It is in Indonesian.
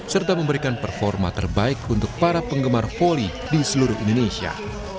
serta memberikan performa terbaik untuk para penggemar volley di seluruh indonesia